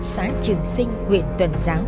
xã trường sinh huyện tuần giáo